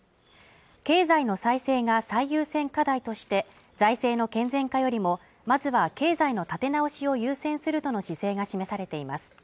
経済の再生が最優先課題として財政の健全化よりもまずは経済の立て直しを優先するとの姿勢が示されています